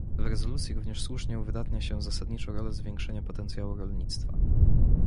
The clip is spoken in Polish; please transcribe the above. W rezolucji również słusznie uwydatnia się zasadniczą rolę zwiększenia potencjału rolnictwa